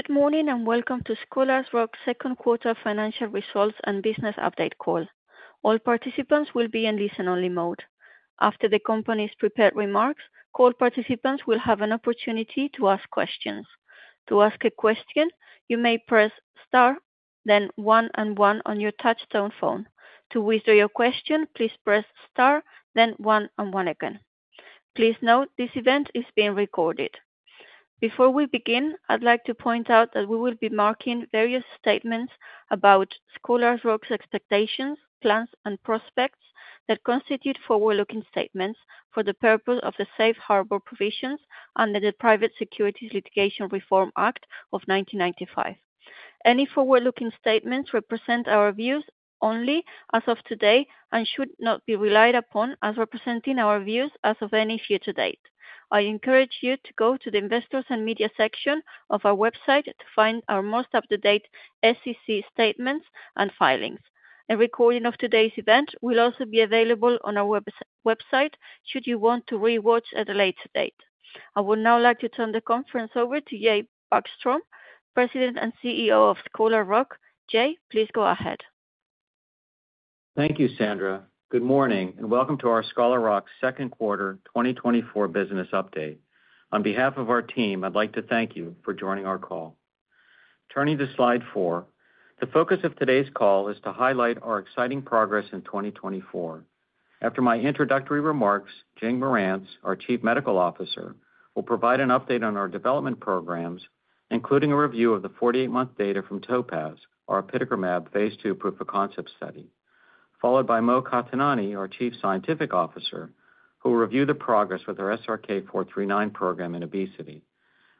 Good morning, and welcome to Scholar Rock's second quarter financial results and business update call. All participants will be in listen-only mode. After the company's prepared remarks, call participants will have an opportunity to ask questions. To ask a question, you may press star, then one and one on your touchtone phone. To withdraw your question, please press star, then one and one again. Please note, this event is being recorded. Before we begin, I'd like to point out that we will be making various statements about Scholar Rock's expectations, plans, and prospects that constitute forward-looking statements for the purpose of the Safe Harbor Provisions under the Private Securities Litigation Reform Act of 1995. Any forward-looking statements represent our views only as of today and should not be relied upon as representing our views as of any future date. I encourage you to go to the Investors and Media section of our website to find our most up-to-date SEC statements and filings. A recording of today's event will also be available on our website should you want to rewatch at a later date. I would now like to turn the conference over to Jay Backstrom, President and CEO of Scholar Rock. Jay, please go ahead. Thank you, Sandra. Good morning, and welcome to our Scholar Rock second quarter 2024 business update. On behalf of our team, I'd like to thank you for joining our call. Turning to slide 4, the focus of today's call is to highlight our exciting progress in 2024. After my introductory remarks, Jing Marantz, our Chief Medical Officer, will provide an update on our development programs, including a review of the 48-month data from TOPAZ, our apitegromab phase II proof of concept study, followed by Mo Qatanani, our Chief Scientific Officer, who will review the progress with our SRK-439 program in obesity.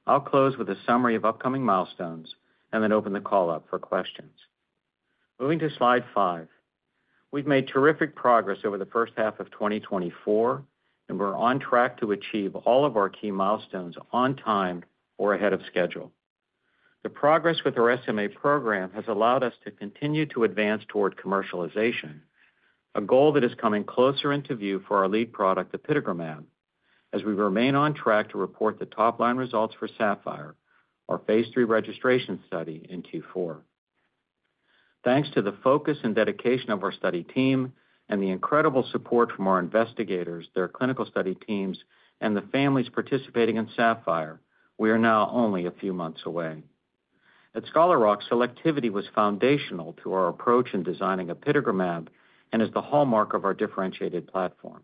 I'll close with a summary of upcoming milestones and then open the call up for questions. Moving to slide 5. We've made terrific progress over the first half of 2024, and we're on track to achieve all of our key milestones on time or ahead of schedule. The progress with our SMA program has allowed us to continue to advance toward commercialization, a goal that is coming closer into view for our lead product, apitegromab, as we remain on track to report the top-line results for SAPPHIRE, our phase III registration study, in Q4. Thanks to the focus and dedication of our study team and the incredible support from our investigators, their clinical study teams, and the families participating in SAPPHIRE, we are now only a few months away. At Scholar Rock, selectivity was foundational to our approach in designing apitegromab and is the hallmark of our differentiated platform.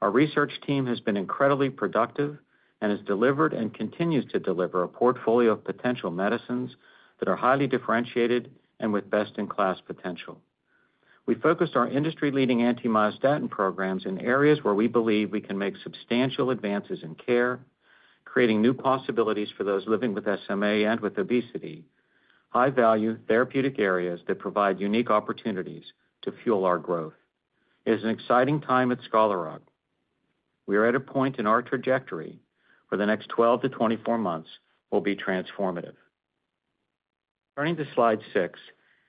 Our research team has been incredibly productive and has delivered and continues to deliver a portfolio of potential medicines that are highly differentiated and with best-in-class potential. We focused our industry-leading anti-myostatin programs in areas where we believe we can make substantial advances in care, creating new possibilities for those living with SMA and with obesity, high-value therapeutic areas that provide unique opportunities to fuel our growth. It's an exciting time at Scholar Rock. We are at a point in our trajectory where the next 12-24 months will be transformative. Turning to slide 6.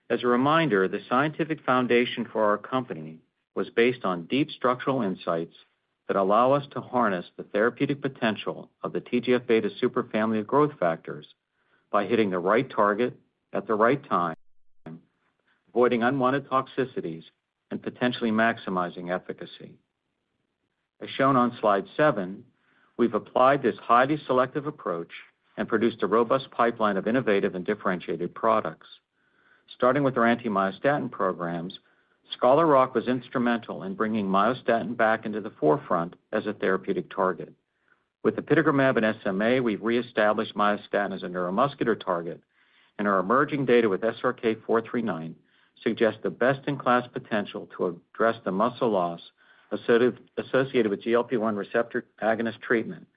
As a reminder, the scientific foundation for our company was based on deep structural insights that allow us to harness the therapeutic potential of the TGF-beta superfamily of growth factors by hitting the right target at the right time, avoiding unwanted toxicities and potentially maximizing efficacy. As shown on slide 7, we've applied this highly selective approach and produced a robust pipeline of innovative and differentiated products. Starting with our anti-myostatin programs, Scholar Rock was instrumental in bringing myostatin back into the forefront as a therapeutic target. With apitegromab and SMA, we've reestablished myostatin as a neuromuscular target, and our emerging data with SRK-439 suggests the best-in-class potential to address the muscle loss associated with GLP-1 receptor agonist treatment,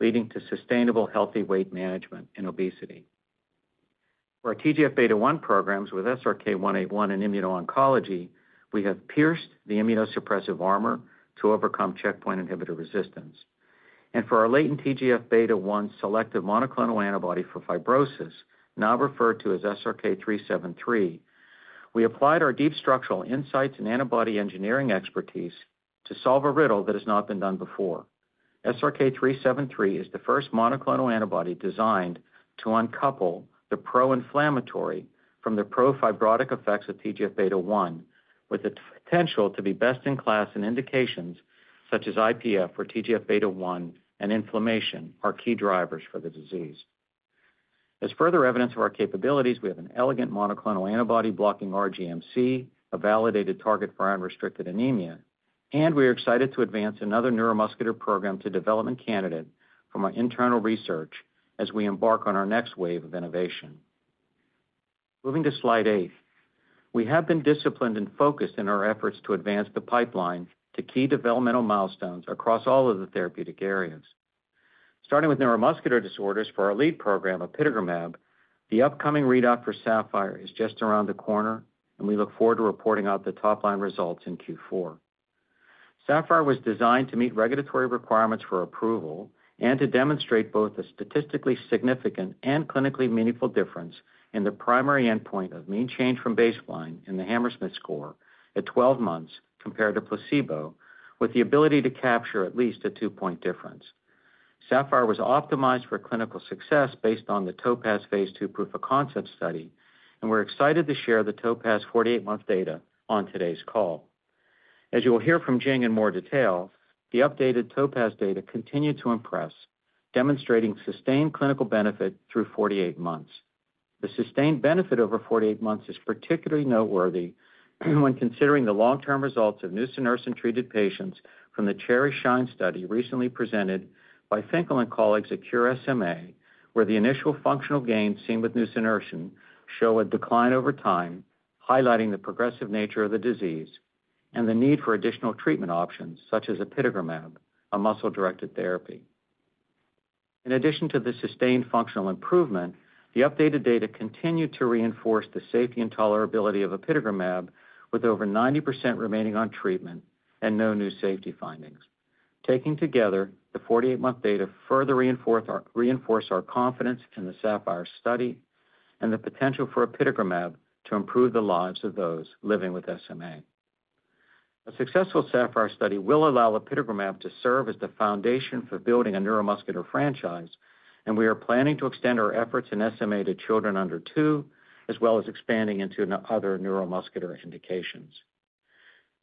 leading to sustainable, healthy weight management in obesity. For our TGF-beta1 programs with SRK-181 in immuno-oncology, we have pierced the immunosuppressive armor to overcome checkpoint inhibitor resistance. And for our latent TGF-beta1 selective monoclonal antibody for fibrosis, now referred to as SRK-373, we applied our deep structural insights and antibody engineering expertise to solve a riddle that has not been done before. SRK-373 is the first monoclonal antibody designed to uncouple the pro-inflammatory from the pro-fibrotic effects of TGF-beta1, with the potential to be best in class in indications such as IPF, for TGF-beta1 and inflammation are key drivers for the disease. As further evidence of our capabilities, we have an elegant monoclonal antibody blocking RGMC, a validated target for iron-restricted anemia, and we are excited to advance another neuromuscular program to development candidate from our internal research as we embark on our next wave of innovation. Moving to slide 8. We have been disciplined and focused in our efforts to advance the pipeline to key developmental milestones across all of the therapeutic areas. Starting with neuromuscular disorders for our lead program, apitegromab, the upcoming readout for SAPPHIRE is just around the corner, and we look forward to reporting out the top-line results in Q4. SAPPHIRE was designed to meet regulatory requirements for approval and to demonstrate both a statistically significant and clinically meaningful difference in the primary endpoint of mean change from baseline in the Hammersmith score at 12 months compared to placebo, with the ability to capture at least a 2-point difference.... SAPPHIRE was optimized for clinical success based on the TOPAZ Phase II proof of concept study, and we're excited to share the TOPAZ 48-month data on today's call. As you will hear from Jing in more detail, the updated TOPAZ data continued to impress, demonstrating sustained clinical benefit through 48 months. The sustained benefit over 48 months is particularly noteworthy when considering the long-term results of nusinersen-treated patients from the CHERISH-SHINE study recently presented by Finkel and colleagues at Cure SMA, where the initial functional gains seen with nusinersen show a decline over time, highlighting the progressive nature of the disease and the need for additional treatment options, such as apitegromab, a muscle-directed therapy. In addition to the sustained functional improvement, the updated data continued to reinforce the safety and tolerability of apitegromab, with over 90% remaining on treatment and no new safety findings. Taken together, the 48-month data further reinforce our confidence in the SAPPHIRE study and the potential for apitegromab to improve the lives of those living with SMA. A successful SAPPHIRE study will allow apitegromab to serve as the foundation for building a neuromuscular franchise, and we are planning to extend our efforts in SMA to children under two, as well as expanding into other neuromuscular indications.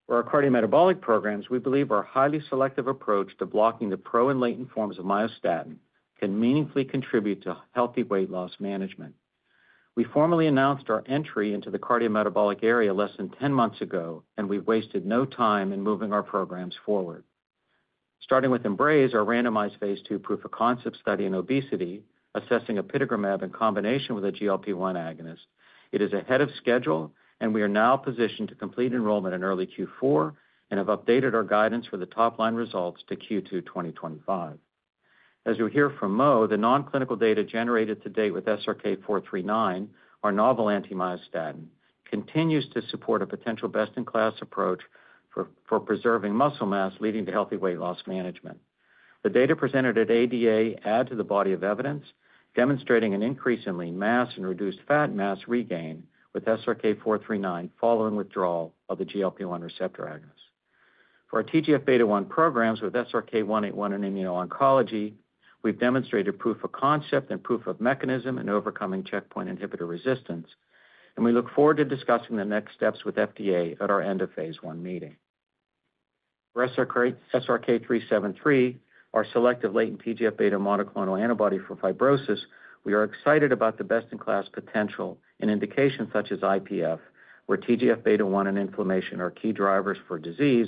For our cardiometabolic programs, we believe our highly selective approach to blocking the pro and latent forms of myostatin can meaningfully contribute to healthy weight loss management. We formally announced our entry into the cardiometabolic area less than 10 months ago, and we've wasted no time in moving our programs forward. Starting with EMBRACE, our randomized phase II proof of concept study in obesity, assessing apitegromab in combination with a GLP-1 agonist. It is ahead of schedule, and we are now positioned to complete enrollment in early Q4, and have updated our guidance for the top-line results to Q2 2025. As you'll hear from Mo, the non-clinical data generated to date with SRK-439, our novel anti-myostatin, continues to support a potential best-in-class approach for preserving muscle mass, leading to healthy weight loss management. The data presented at ADA add to the body of evidence, demonstrating an increase in lean mass and reduced fat mass regain with SRK-439, following withdrawal of the GLP-1 receptor agonist. For our TGF-beta1 programs, with SRK-181 in immuno-oncology, we've demonstrated proof of concept and proof of mechanism in overcoming checkpoint inhibitor resistance, and we look forward to discussing the next steps with FDA at our end-of-phase I meeting. For SRK-373, our selective latent TGF-beta monoclonal antibody for fibrosis, we are excited about the best-in-class potential in indications such as IPF, where TGF-beta1 and inflammation are key drivers for disease,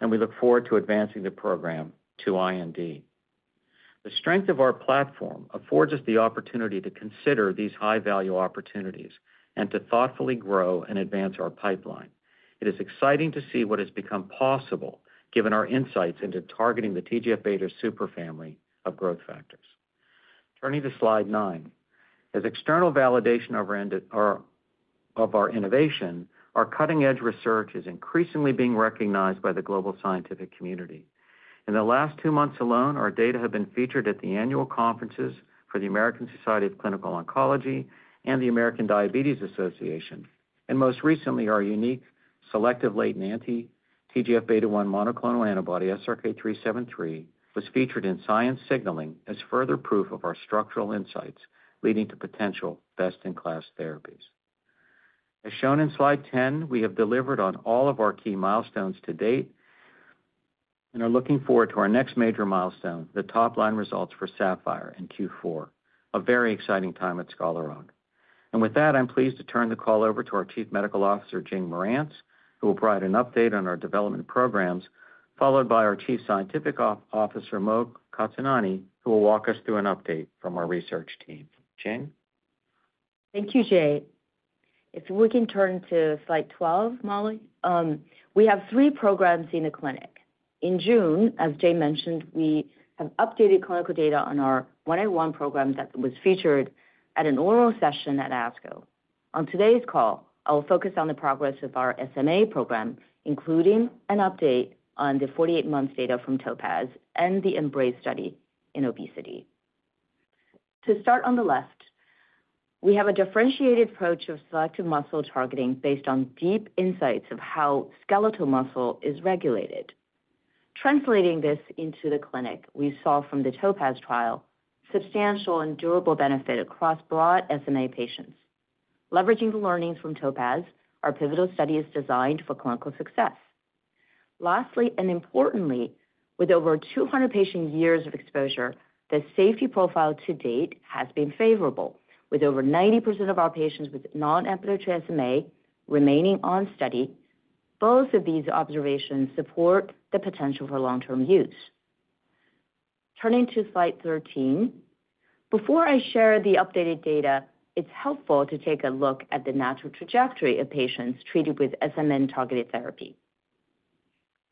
and we look forward to advancing the program to IND. The strength of our platform affords us the opportunity to consider these high-value opportunities and to thoughtfully grow and advance our pipeline. It is exciting to see what has become possible, given our insights into targeting the TGF-beta superfamily of growth factors. Turning to Slide 9. As external validation of our innovation, our cutting-edge research is increasingly being recognized by the global scientific community. In the last 2 months alone, our data have been featured at the annual conferences for the American Society of Clinical Oncology and the American Diabetes Association. Most recently, our unique, selective latent anti-TGF-beta1 monoclonal antibody, SRK-373, was featured in Science Signaling as further proof of our structural insights leading to potential best-in-class therapies. As shown in Slide 10, we have delivered on all of our key milestones to date and are looking forward to our next major milestone, the top-line results for SAPPHIRE in Q4, a very exciting time at Scholar Rock. With that, I'm pleased to turn the call over to our Chief Medical Officer, Jing Marantz, who will provide an update on our development programs, followed by our Chief Scientific Officer, Mo Qatanani, who will walk us through an update from our research team. Jing? Thank you, Jay. If we can turn to Slide 12, Mo, we have three programs in the clinic. In June, as Jay mentioned, we have updated clinical data on our 181 program that was featured at an oral session at ASCO. On today's call, I will focus on the progress of our SMA program, including an update on the 48-month data from TOPAZ and the EMBRACE study in obesity. To start on the left, we have a differentiated approach of selective muscle targeting based on deep insights of how skeletal muscle is regulated. Translating this into the clinic, we saw from the TOPAZ trial substantial and durable benefit across broad SMA patients. Leveraging the learnings from TOPAZ, our pivotal study is designed for clinical success. Lastly, and importantly, with over 200 patient years of exposure, the safety profile to date has been favorable, with over 90% of our patients with non-ambulatory SMA remaining on study. Both of these observations support the potential for long-term use. Turning to slide 13. Before I share the updated data, it's helpful to take a look at the natural trajectory of patients treated with SMN-targeted therapy.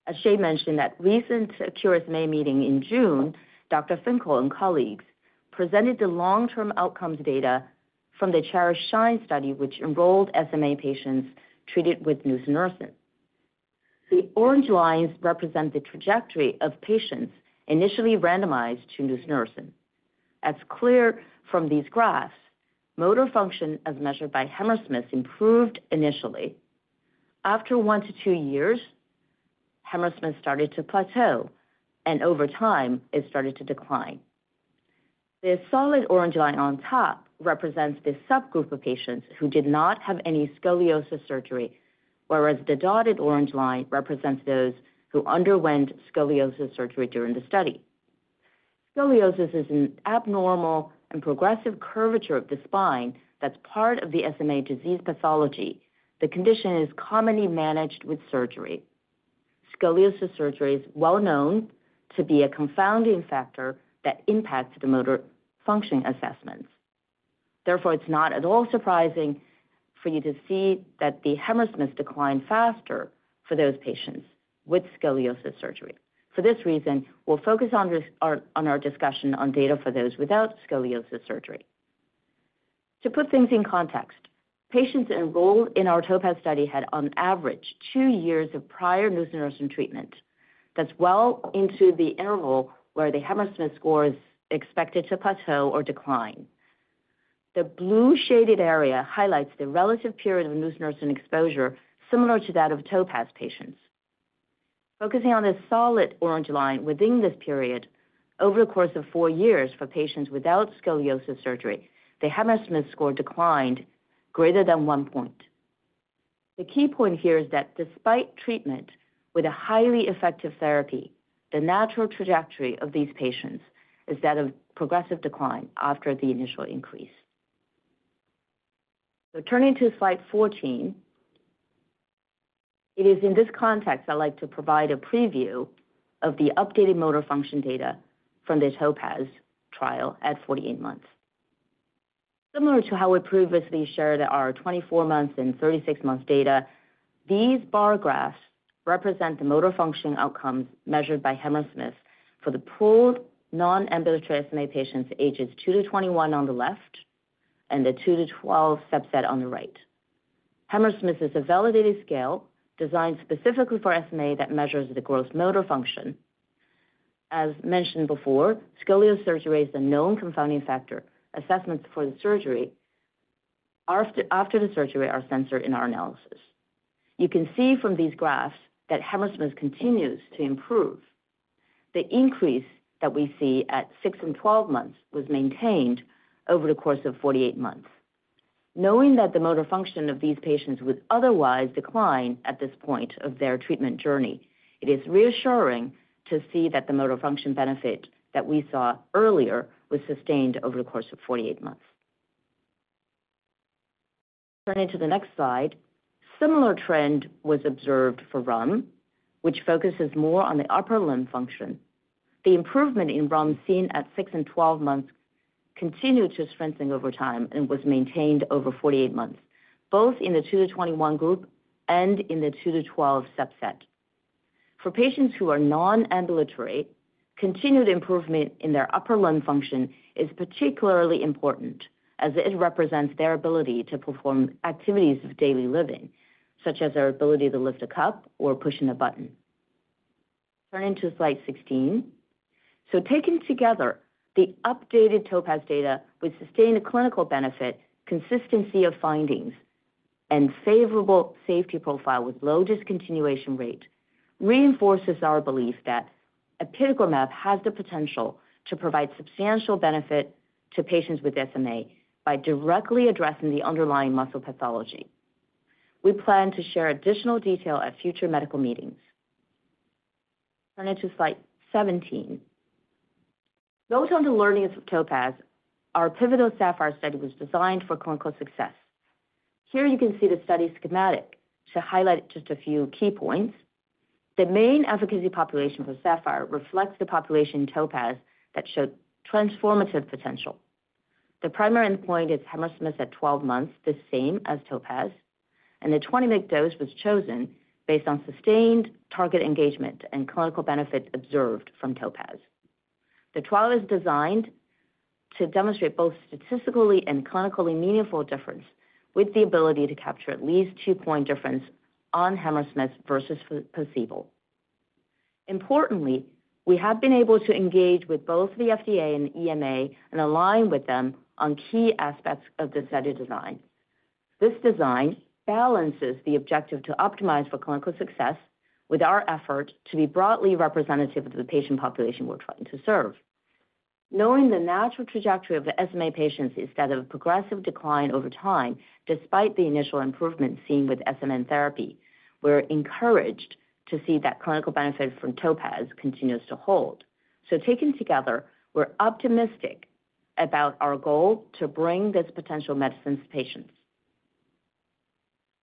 As Jay mentioned, at recent Cure SMA meeting in June, Dr. Finkel and colleagues presented the long-term outcomes data from the CHERISH-SHINE study, which enrolled SMA patients treated with nusinersen. The orange lines represent the trajectory of patients initially randomized to nusinersen. As is clear from these graphs, motor function, as measured by Hammersmith, improved initially.... After one to two years, Hammersmith started to plateau, and over time, it started to decline. The solid orange line on top represents the subgroup of patients who did not have any scoliosis surgery, whereas the dotted orange line represents those who underwent scoliosis surgery during the study. Scoliosis is an abnormal and progressive curvature of the spine that's part of the SMA disease pathology. The condition is commonly managed with surgery. Scoliosis surgery is well known to be a confounding factor that impacts the motor functioning assessments. Therefore, it's not at all surprising for you to see that the Hammersmith declined faster for those patients with scoliosis surgery. For this reason, we'll focus on this, on our discussion on data for those without scoliosis surgery. To put things in context, patients enrolled in our TOPAZ study had, on average, 2 years of prior nusinersen treatment. That's well into the interval where the Hammersmith score is expected to plateau or decline. The blue shaded area highlights the relative period of nusinersen exposure, similar to that of TOPAZ patients. Focusing on the solid orange line within this period, over the course of four years for patients without scoliosis surgery, the Hammersmith score declined greater than one point. The key point here is that despite treatment with a highly effective therapy, the natural trajectory of these patients is that of progressive decline after the initial increase. So turning to slide 14, it is in this context, I'd like to provide a preview of the updated motor function data from the TOPAZ trial at 48 months. Similar to how we previously shared our 24 months and 36 months data, these bar graphs represent the motor functioning outcomes measured by Hammersmith for the pooled non-ambulatory SMA patients, ages two to 21 on the left, and the two to 12 subset on the right. Hammersmith is a validated scale designed specifically for SMA that measures the gross motor function. As mentioned before, scoliosis surgery is a known confounding factor. Assessments for the surgery after the surgery are censored in our analysis. You can see from these graphs that Hammersmith continues to improve. The increase that we see at 6 and 12 months was maintained over the course of 48 months. Knowing that the motor function of these patients would otherwise decline at this point of their treatment journey, it is reassuring to see that the motor function benefit that we saw earlier was sustained over the course of 48 months. Turning to the next slide, similar trend was observed for RULM, which focuses more on the upper limb function. The improvement in RULM seen at 6 and 12 months continued to strengthen over time and was maintained over 48 months, both in the 2-21 group and in the 2-12 subset. For patients who are non-ambulatory, continued improvement in their upper limb function is particularly important, as it represents their ability to perform activities of daily living, such as their ability to lift a cup or pushing a button. Turning to slide 16. So taken together, the updated TOPAZ data with sustained clinical benefit, consistency of findings, and favorable safety profile with low discontinuation rate reinforces our belief that apitegromab has the potential to provide substantial benefit to patients with SMA by directly addressing the underlying muscle pathology. We plan to share additional detail at future medical meetings. Turning to slide 17. Built on the learnings of TOPAZ, our pivotal SAPPHIRE study was designed for clinical success. Here you can see the study schematic. To highlight just a few key points, the main efficacy population for SAPPHIRE reflects the population in TOPAZ that showed transformative potential. The primary endpoint is Hammersmith at 12 months, the same as TOPAZ, and the 20 mg dose was chosen based on sustained target engagement and clinical benefit observed from TOPAZ. The trial is designed to demonstrate both statistically and clinically meaningful difference, with the ability to capture at least 2-point difference on Hammersmith versus placebo. Importantly, we have been able to engage with both the FDA and EMA and align with them on key aspects of the study design. This design balances the objective to optimize for clinical success with our effort to be broadly representative of the patient population we're trying to serve. Knowing the natural trajectory of the SMA patients is that of progressive decline over time, despite the initial improvement seen with SMN therapy, we're encouraged to see that clinical benefit from TOPAZ continues to hold. So taken together, we're optimistic about our goal to bring this potential medicine to patients.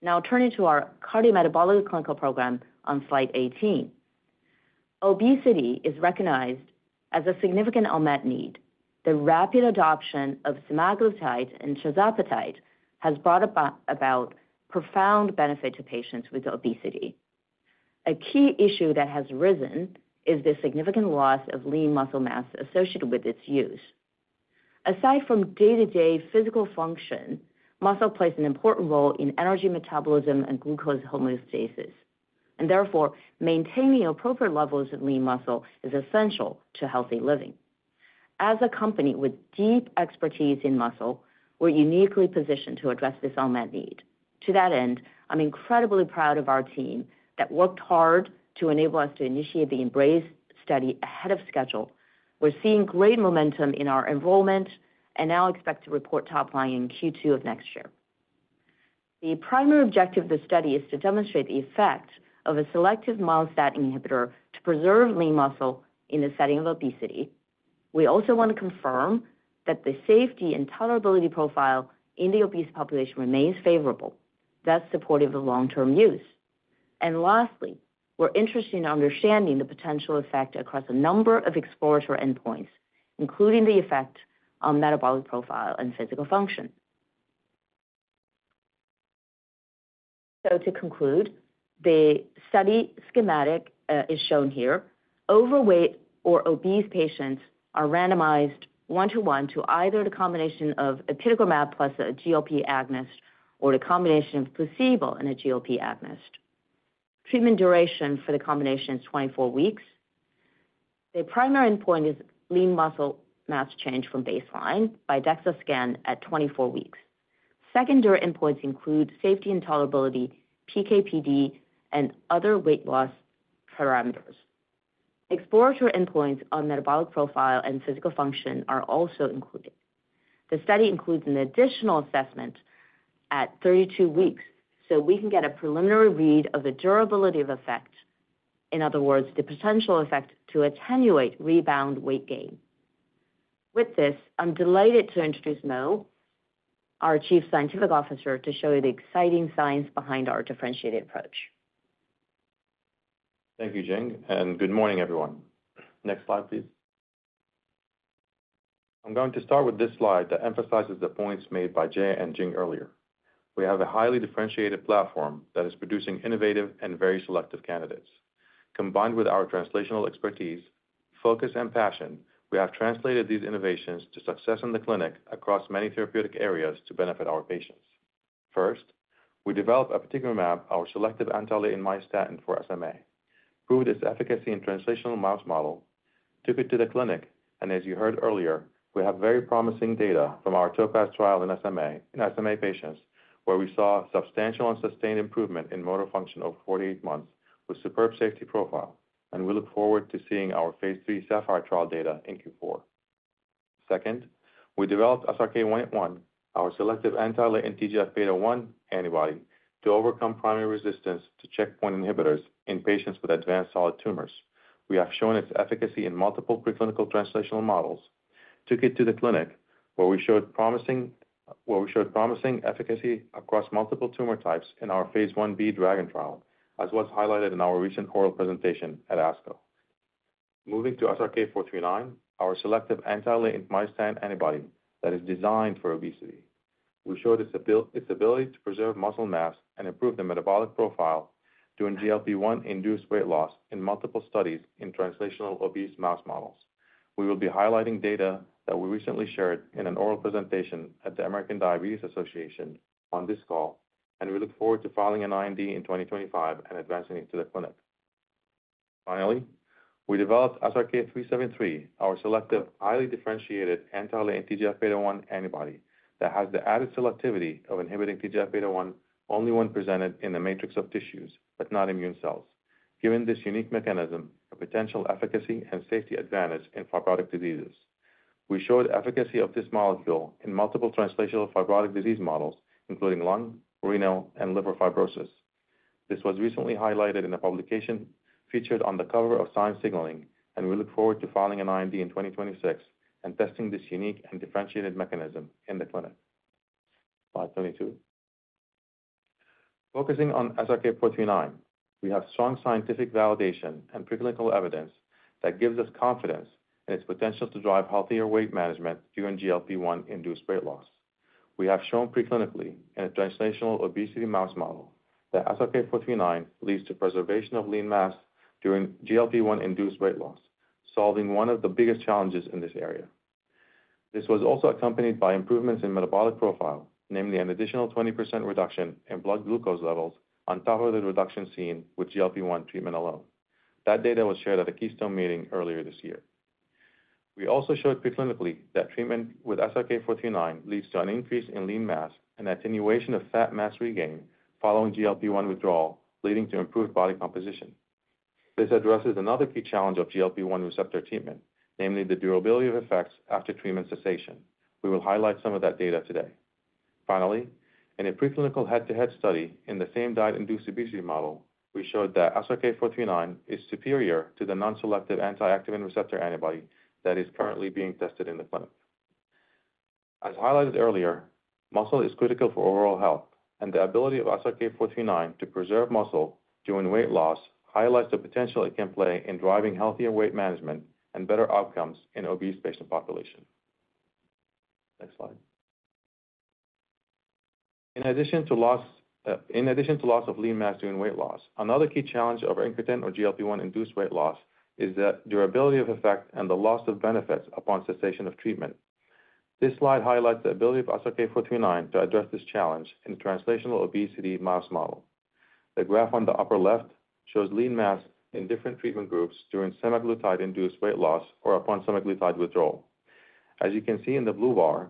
Now turning to our cardiometabolic clinical program on slide 18. Obesity is recognized as a significant unmet need. The rapid adoption of semaglutide and tirzepatide has brought about profound benefit to patients with obesity. A key issue that has risen is the significant loss of lean muscle mass associated with its use. Aside from day-to-day physical function, muscle plays an important role in energy metabolism and glucose homeostasis, and therefore maintaining appropriate levels of lean muscle is essential to healthy living. As a company with deep expertise in muscle, we're uniquely positioned to address this unmet need. To that end, I'm incredibly proud of our team that worked hard to enable us to initiate the EMBRACE study ahead of schedule. We're seeing great momentum in our enrollment and now expect to report top line in Q2 of next year. The primary objective of the study is to demonstrate the effect of a selective myostatin inhibitor to preserve lean muscle in the setting of obesity. We also want to confirm that the safety and tolerability profile in the obese population remains favorable, thus supportive of long-term use. And lastly, we're interested in understanding the potential effect across a number of exploratory endpoints, including the effect on metabolic profile and physical function. So to conclude, the study schematic is shown here. Overweight or obese patients are randomized 1-to-1 to either the combination of apitegromab plus a GLP agonist, or the combination of placebo and a GLP agonist. Treatment duration for the combination is 24 weeks. The primary endpoint is lean muscle mass change from baseline by DEXA scan at 24 weeks. Secondary endpoints include safety and tolerability, PK/PD, and other weight loss parameters. Exploratory endpoints on metabolic profile and physical function are also included. The study includes an additional assessment at 32 weeks, so we can get a preliminary read of the durability of effect, in other words, the potential effect to attenuate rebound weight gain. With this, I'm delighted to introduce Mo, our Chief Scientific Officer, to show you the exciting science behind our differentiated approach. Thank you, Jing, and good morning, everyone. Next slide, please. I'm going to start with this slide that emphasizes the points made by Jay and Jing earlier. We have a highly differentiated platform that is producing innovative and very selective candidates. Combined with our translational expertise, focus, and passion, we have translated these innovations to success in the clinic across many therapeutic areas to benefit our patients. First, we developed apitegromab, our selective anti-myostatin for SMA, proved its efficacy in translational mouse model, took it to the clinic, and as you heard earlier, we have very promising data from our TOPAZ trial in SMA patients, where we saw substantial and sustained improvement in motor function over 48 months with superb safety profile, and we look forward to seeing our phase 3 SAPPHIRE trial data in Q4. Second, we developed SRK-181, our selective anti-latent TGF-beta1 antibody, to overcome primary resistance to checkpoint inhibitors in patients with advanced solid tumors. We have shown its efficacy in multiple preclinical translational models, took it to the clinic, where we showed promising efficacy across multiple tumor types in our phase 1b DRAGON trial, as was highlighted in our recent oral presentation at ASCO. Moving to SRK-439, our selective anti-myostatin antibody that is designed for obesity. We showed its ability to preserve muscle mass and improve the metabolic profile during GLP-1-induced weight loss in multiple studies in translational obese mouse models. We will be highlighting data that we recently shared in an oral presentation at the American Diabetes Association on this call, and we look forward to filing an IND in 2025 and advancing it to the clinic. Finally, we developed SRK-373, our selective, highly differentiated anti-TGF-beta1 antibody, that has the added selectivity of inhibiting TGF-beta1 only when presented in the matrix of tissues, but not immune cells. Given this unique mechanism, a potential efficacy and safety advantage in fibrotic diseases. We showed efficacy of this molecule in multiple translational fibrotic disease models, including lung, renal, and liver fibrosis. This was recently highlighted in a publication featured on the cover of Science Signaling, and we look forward to filing an IND in 2026 and testing this unique and differentiated mechanism in the clinic. Slide 22. Focusing on SRK-439, we have strong scientific validation and preclinical evidence that gives us confidence in its potential to drive healthier weight management during GLP-1-induced weight loss. We have shown preclinically in a translational obesity mouse model that SRK-439 leads to preservation of lean mass during GLP-1-induced weight loss, solving one of the biggest challenges in this area. This was also accompanied by improvements in metabolic profile, namely an additional 20% reduction in blood glucose levels on top of the reduction seen with GLP-1 treatment alone. That data was shared at the Keystone meeting earlier this year. We also showed preclinically that treatment with SRK-439 leads to an increase in lean mass and attenuation of fat mass regain following GLP-1 withdrawal, leading to improved body composition. This addresses another key challenge of GLP-1 receptor treatment, namely the durability of effects after treatment cessation. We will highlight some of that data today. Finally, in a preclinical head-to-head study in the same diet-induced obesity model, we showed that SRK-439 is superior to the non-selective anti-activin receptor antibody that is currently being tested in the clinic. As highlighted earlier, muscle is critical for overall health, and the ability of SRK-439 to preserve muscle during weight loss highlights the potential it can play in driving healthier weight management and better outcomes in obese patient population. Next slide. In addition to loss of lean mass during weight loss, another key challenge of incretin or GLP-1-induced weight loss is that durability of effect and the loss of benefits upon cessation of treatment. This slide highlights the ability of SRK-439 to address this challenge in the translational obesity mouse model. The graph on the upper left shows lean mass in different treatment groups during semaglutide-induced weight loss or upon semaglutide withdrawal. As you can see in the blue bar,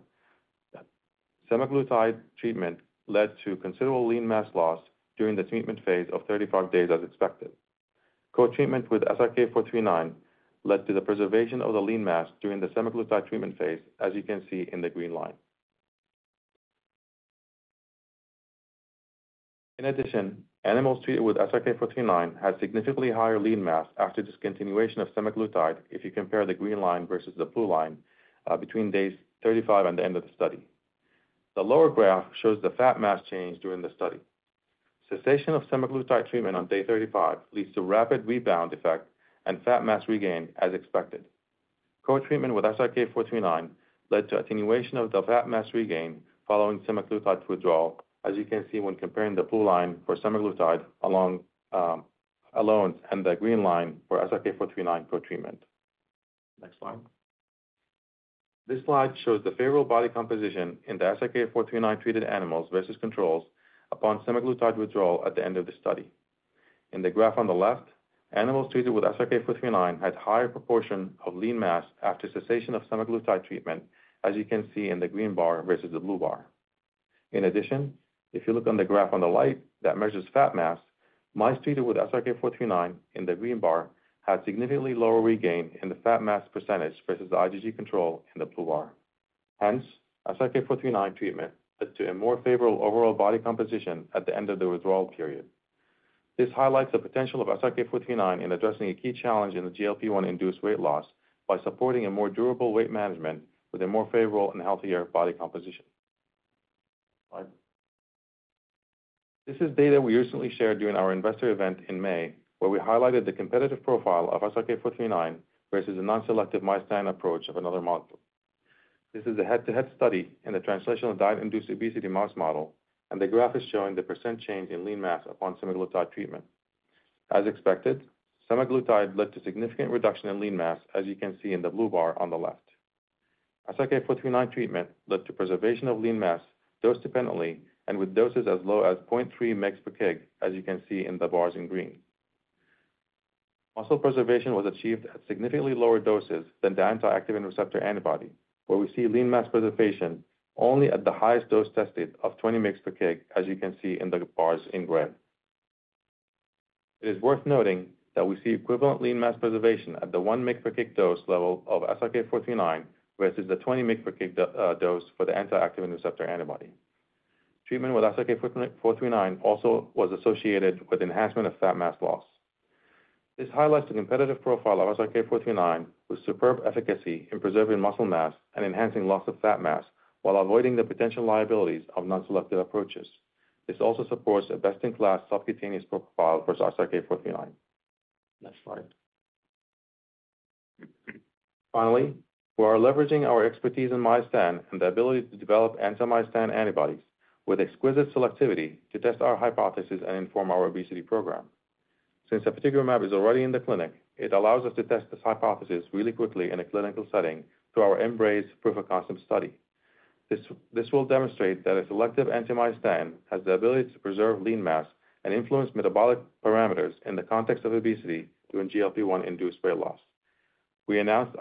semaglutide treatment led to considerable lean mass loss during the treatment phase of 35 days, as expected. Co-treatment with SRK-439 led to the preservation of the lean mass during the semaglutide treatment phase, as you can see in the green line. In addition, animals treated with SRK-439 had significantly higher lean mass after discontinuation of semaglutide, if you compare the green line versus the blue line, between days 35 and the end of the study. The lower graph shows the fat mass change during the study. Cessation of semaglutide treatment on day 35 leads to rapid rebound effect and fat mass regain as expected. Co-treatment with SRK-439 led to attenuation of the fat mass regain following semaglutide withdrawal, as you can see when comparing the blue line for semaglutide alone, and the green line for SRK-439 co-treatment. Next slide. This slide shows the favorable body composition in the SRK-439-treated animals versus controls upon semaglutide withdrawal at the end of the study. In the graph on the left, animals treated with SRK-439 had higher proportion of lean mass after cessation of semaglutide treatment, as you can see in the green bar versus the blue bar. In addition, if you look on the graph on the right that measures fat mass, mice treated with SRK-439 in the green bar, had significantly lower regain in the fat mass percentage versus the IgG control in the blue bar. Hence, SRK-439 treatment led to a more favorable overall body composition at the end of the withdrawal period. This highlights the potential of SRK-439 in addressing a key challenge in the GLP-1-induced weight loss by supporting a more durable weight management with a more favorable and healthier body composition. Next slide. This is data we recently shared during our investor event in May, where we highlighted the competitive profile of SRK-439 versus a non-selective myostatin approach of another molecule. This is a head-to-head study in the translational diet-induced obesity mouse model, and the graph is showing the % change in lean mass upon semaglutide treatment. As expected, semaglutide led to significant reduction in lean mass, as you can see in the blue bar on the left. SRK-439 treatment led to preservation of lean mass, dose dependently, and with doses as low as 0.3 mgs per kg, as you can see in the bars in green. Muscle preservation was achieved at significantly lower doses than the anti-activin receptor antibody, where we see lean mass preservation only at the highest dose tested of 20 mgs per kg, as you can see in the bars in gray. It is worth noting that we see equivalent lean mass preservation at the 1 mg per kg dose level of SRK-439, versus the 20 mg per kg dose for the anti-activin receptor antibody. Treatment with SRK-439 also was associated with enhancement of fat mass loss. This highlights the competitive profile of SRK-439, with superb efficacy in preserving muscle mass and enhancing loss of fat mass, while avoiding the potential liabilities of non-selective approaches. This also supports a best-in-class subcutaneous profile for SRK-439. Next slide. Finally, we are leveraging our expertise in myostatin and the ability to develop anti-myostatin antibodies with exquisite selectivity to test our hypothesis and inform our obesity program. Since apitegromab is already in the clinic, it allows us to test this hypothesis really quickly in a clinical setting through our EMBRACE proof-of-concept study. This will demonstrate that a selective anti-myostatin has the ability to preserve lean mass and influence metabolic parameters in the context of obesity during GLP-1-induced weight loss. We announced,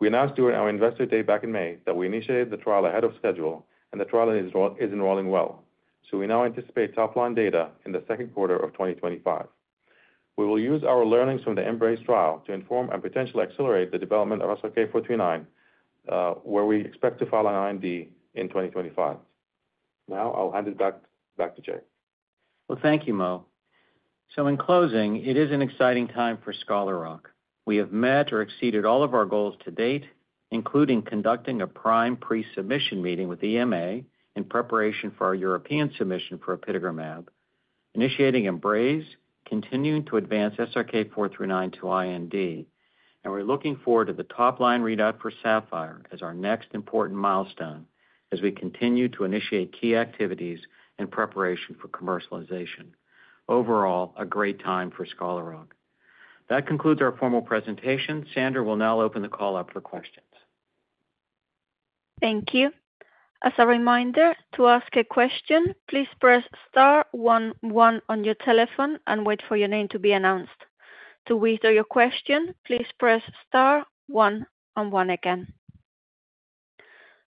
we announced during our Investor Day back in May that we initiated the trial ahead of schedule, and the trial is enrolling well. So we now anticipate top-line data in the second quarter of 2025. We will use our learnings from the EMBRACE trial to inform and potentially accelerate the development of SRK-439, where we expect to file an IND in 2025. Now I'll hand it back to Jay. Well, thank you, Mo. So in closing, it is an exciting time for Scholar Rock. We have met or exceeded all of our goals to date, including conducting a PRIME pre-submission meeting with EMA in preparation for our European submission for apitegromab, initiating EMBRACE, continuing to advance SRK-439 to IND, and we're looking forward to the top-line readout for SAPPHIRE as our next important milestone as we continue to initiate key activities in preparation for commercialization. Overall, a great time for Scholar Rock. That concludes our formal presentation. Sandra will now open the call up for questions. Thank you. As a reminder, to ask a question, please press star one one on your telephone and wait for your name to be announced. To withdraw your question, please press star one and one again.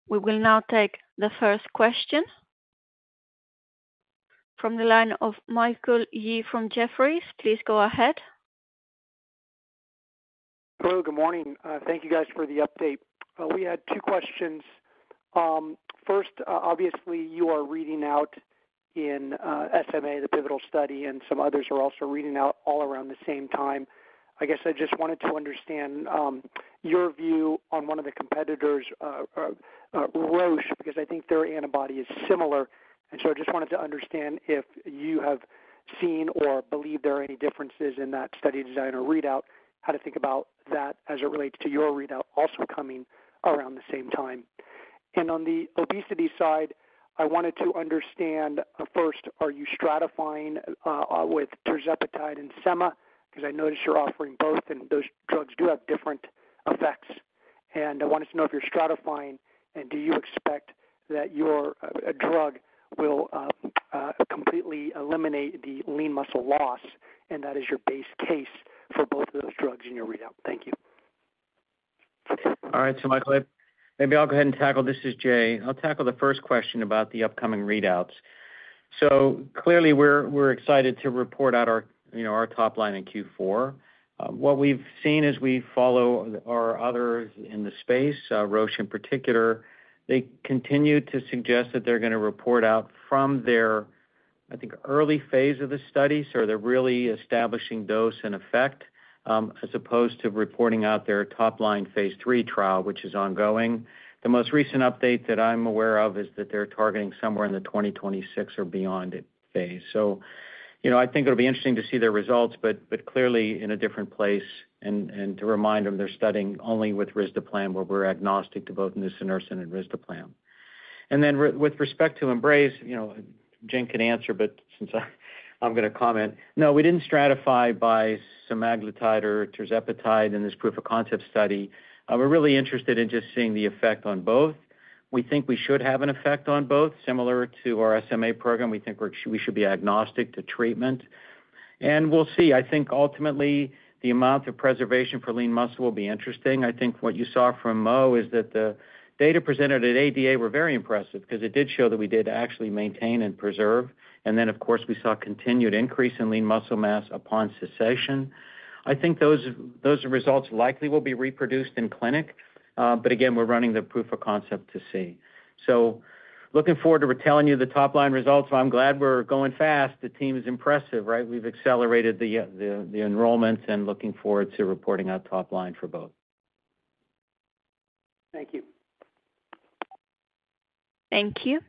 We will now take the first question. From the line of Michael Yee from Jefferies, please go ahead. Hello, good morning. Thank you guys for the update. We had two questions. First, obviously, you are reading out in SMA, the pivotal study, and some others are also reading out all around the same time. I guess I just wanted to understand your view on one of the competitors, Roche, because I think their antibody is similar, and so I just wanted to understand if you have seen or believe there are any differences in that study design or readout, how to think about that as it relates to your readout also coming around the same time. And on the obesity side, I wanted to understand, first, are you stratifying with tirzepatide and sema? Because I noticed you're offering both, and those drugs do have different effects.... and I wanted to know if you're stratifying, and do you expect that your drug will completely eliminate the lean muscle loss, and that is your base case for both of those drugs in your readout? Thank you. All right, so Michael, maybe I'll go ahead and tackle. This is Jay. I'll tackle the first question about the upcoming readouts. So clearly, we're excited to report out our, you know, our top line in Q4. What we've seen as we follow our other in the space, Roche in particular, they continue to suggest that they're gonna report out from their, I think, early phase of the study. So they're really establishing dose and effect, as opposed to reporting out their top line phase 3 trial, which is ongoing. The most recent update that I'm aware of is that they're targeting somewhere in the 2026 or beyond phase. So, you know, I think it'll be interesting to see their results, but clearly in a different place, and to remind them, they're studying only with risdiplam, where we're agnostic to both nusinersen and risdiplam. And then with respect to EMBRACE, you know, Jing can answer, but since I'm gonna comment. No, we didn't stratify by semaglutide or tirzepatide in this proof of concept study. We're really interested in just seeing the effect on both. We think we should have an effect on both, similar to our SMA program. We think we should be agnostic to treatment, and we'll see. I think ultimately, the amount of preservation for lean muscle will be interesting. I think what you saw from Mo is that the data presented at ADA were very impressive because it did show that we did actually maintain and preserve. Then, of course, we saw continued increase in lean muscle mass upon cessation. I think those results likely will be reproduced in clinic, but again, we're running the proof of concept to see. So looking forward to telling you the top-line results, so I'm glad we're going fast. The team is impressive, right? We've accelerated the enrollments and looking forward to reporting our top line for both. Thank you. Thank you.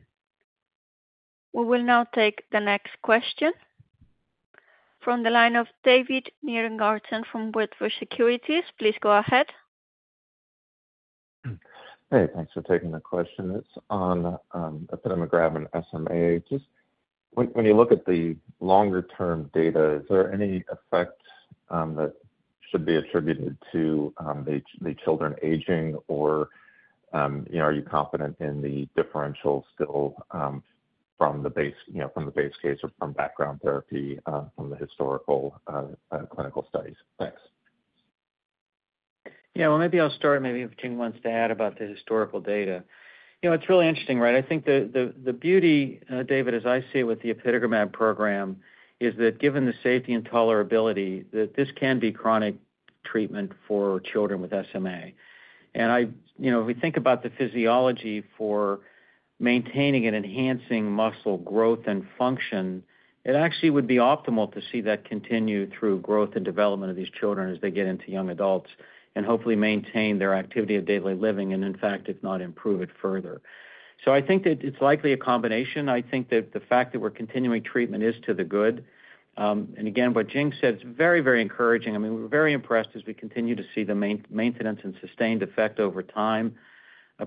We will now take the next question from the line of David Nierengarten from Wedbush Securities. Please go ahead. Hey, thanks for taking the question. It's on apitegromab and SMA. Just when you look at the longer-term data, is there any effect that should be attributed to the children aging? Or, you know, are you confident in the differential still from the base, you know, from the base case or from background therapy from the historical clinical studies? Thanks. Yeah, well, maybe I'll start, maybe if Jing wants to add about the historical data. You know, it's really interesting, right? I think the beauty, David, as I see with the apitegromab program, is that given the safety and tolerability, that this can be chronic treatment for children with SMA. And I-- You know, if we think about the physiology for maintaining and enhancing muscle growth and function, it actually would be optimal to see that continue through growth and development of these children as they get into young adults, and hopefully maintain their activity of daily living, and in fact, if not improve it further. So I think that it's likely a combination. I think that the fact that we're continuing treatment is to the good. And again, what Jing said, it's very, very encouraging. I mean, we're very impressed as we continue to see the maintenance and sustained effect over time,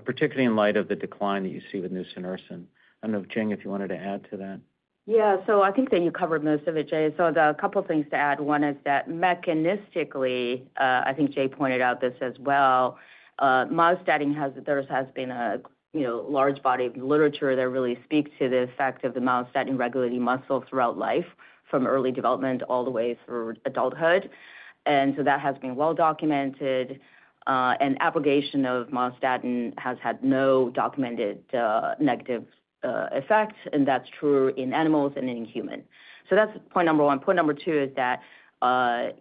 particularly in light of the decline that you see with nusinersen. I don't know, Jing, if you wanted to add to that. Yeah. So I think that you covered most of it, Jay. So the couple things to add, one is that mechanistically, I think Jay pointed out this as well, myostatin has, there has been a, you know, large body of literature that really speaks to the effect of the myostatin in regulating muscle throughout life, from early development all the way through adulthood. And so that has been well documented, and abrogation of myostatin has had no documented, negative, effects, and that's true in animals and in humans. So that's point number one. Point number two is that,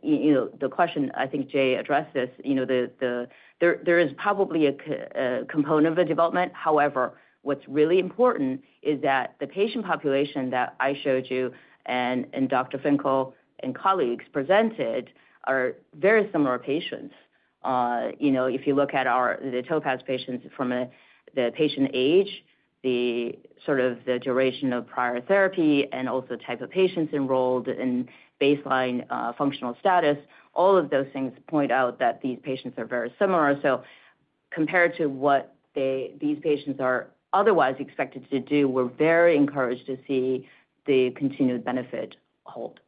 you know, the question, I think Jay addressed this, you know, the, the, there, there is probably a component of development. However, what's really important is that the patient population that I showed you and Dr. Finkel and colleagues presented are very similar patients. You know, if you look at our, the TOPAZ patients from the patient age, the sort of the duration of prior therapy and also the type of patients enrolled in baseline, functional status, all of those things point out that these patients are very similar. So compared to what they- these patients are otherwise expected to do, we're very encouraged to see the continued benefit hold.